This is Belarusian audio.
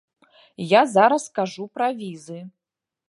Я зараз кажу пра візы.